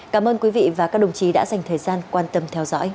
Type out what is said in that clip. cảm ơn quý vị và các đồng chí đã dành thời gian quan tâm theo dõi